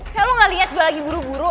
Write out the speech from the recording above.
kayaknya lo gak liat gue lagi buru buru